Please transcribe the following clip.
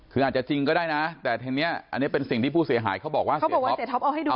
คืออาจจะจริงก็ได้นะแต่ทีนี้อันนี้เป็นสิ่งที่ผู้เสียหายเขาบอกว่าเสียท็อปเอาให้ดู